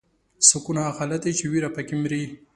سکون هغه حالت دی چې ویره پکې مري.